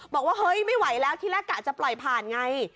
บอกว่าเฮ้ยไม่ไหวแล้วที่แรกกะจะปล่อยผ่านไง